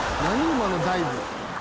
今のダイブ。